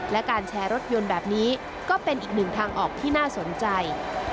และการแชร์รถยนต์แบบนี้ก็เป็นอีกหนึ่งทางออกที่น่าสนใจ